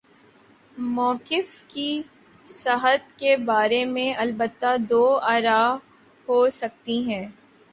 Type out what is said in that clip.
موقف کی صحت کے بارے میں البتہ دو آرا ہو سکتی ہیں۔